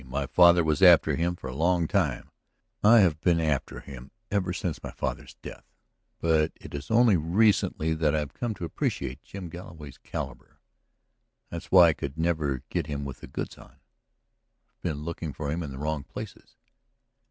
My father was after him for a long time; I have been after him ever since my father's death. But it is only recently that I have come to appreciate Jim Galloway's caliber. That's why I could never get him with the goods on; I have been looking for him in the wrong places.